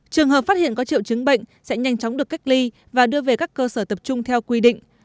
trường hợp phát hiện có triệu chứng bệnh sẽ nhanh chóng được cách ly và đưa về các cơ sở tập trung theo quy định